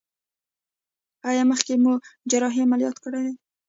ایا مخکې مو جراحي عملیات کړی دی؟